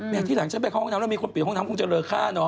ที่หลังฉันไปเข้าห้องน้ำแล้วมีคนปิดห้องน้ำคงจะเลอค่าเนอ